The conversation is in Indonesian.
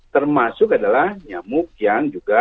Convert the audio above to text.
termasuk adalah nyamuk yang juga